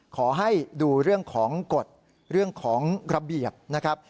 ขอให้ดูเรื่องของกฎเรื่องของระเบียบนะครับ